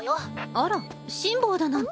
あら辛抱だなんて。